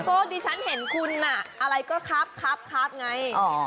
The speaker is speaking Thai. โทษที่ฉันเห็นคุณน่ะอะไรก็ครับไง